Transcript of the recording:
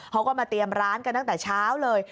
เขาก็มาเตรียมร้านกันตั้งแต่เช้าเลย